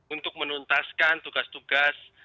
untuk menuntaskan tugas tugas